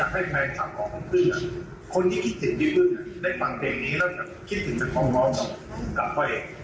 แทนพี่เพิ่งได้